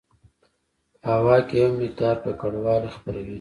په هوا کې یو مقدار ککړوالی خپروي.